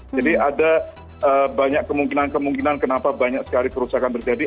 jadi ada banyak kemungkinan kemungkinan kenapa banyak sekali kerusakan terjadi